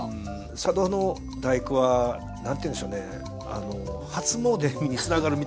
佐渡の「第九」は何ていうんでしょうね初詣につながるみたいなね。